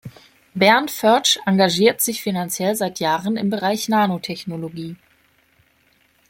Bernd Förtsch engagiert sich finanziell seit Jahren im Bereich Nanotechnologie.